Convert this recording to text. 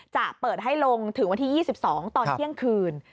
จะเปิดให้ลงถึงวันที่๒๒ตอนเที่ยงคืน